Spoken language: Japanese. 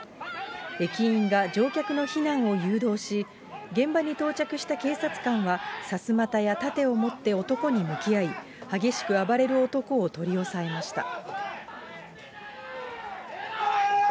駅員が乗客の避難を誘導し、現場に到着した警察官はさすまたや盾を持って男に向き合い、激しく暴れる男を取り押さえました。